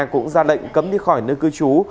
cũng ra lệnh cấm đi khỏi nơi cư trú